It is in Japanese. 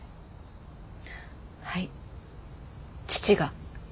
はい父が。